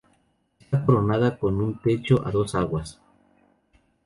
Está coronada con un techo a dos aguas.